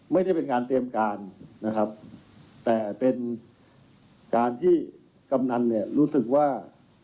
ไม่ได้เป็นการเตรียมการนะครับแต่เป็นการที่กำนันเนี่ยรู้สึกว่า